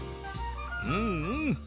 うんうん！